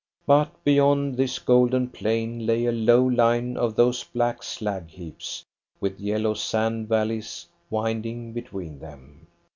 But beyond this golden plain lay a low line of those black slag heaps, with yellow sand valleys winding between them.